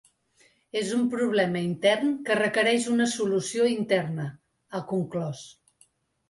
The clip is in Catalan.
És un problema intern que requereix una solució interna, ha conclòs.